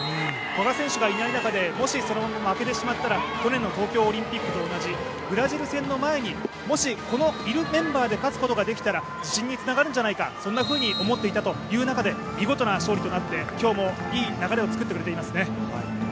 古賀選手がいない中でもし負けてしまったら去年の東京オリンピックと同じブラジル戦の前にもしこのいるメンバーで勝つことができたら自信につながるんじゃないか、そんなふうに思っていたという中で、見事な勝利となって、今日もいい流れを作ってくれてますね。